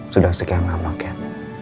sudah sekian lama kat